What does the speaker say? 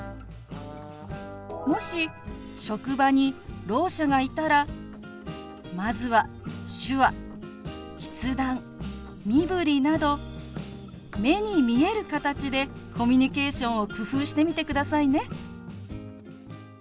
もし職場にろう者がいたらまずは手話筆談身振りなど目に見える形でコミュニケーションを工夫してみてくださいね。